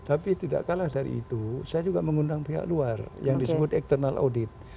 tapi tidak kalah dari itu saya juga mengundang pihak luar yang disebut external audit